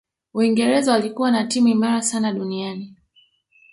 uingereza walikuwa na timu imara sana duniani